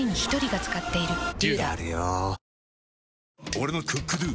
俺の「ＣｏｏｋＤｏ」！